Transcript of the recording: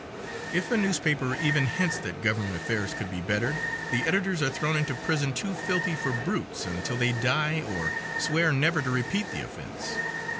If a newspaper even hints that government affairs could be bettered, the editors are thrown into prison, too filthy for brutes, until they die or swear never to repeat the offense.